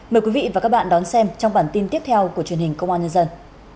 mời quý vị và các bạn đón xem trong bản tin tiếp theo của truyền hình công an nhân dân